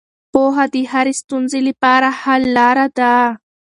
پوهه د هرې ستونزې لپاره حل لاره ده.